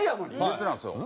別なんですよ。